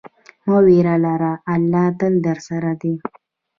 مه ویره لره، الله تل درسره دی.